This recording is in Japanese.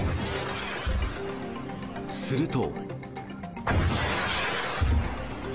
すると。